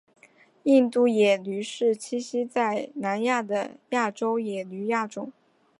印度野驴是栖息在南亚的亚洲野驴亚种。